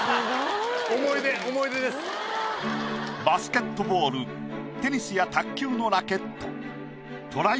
バスケットボールテニスや卓球のラケット。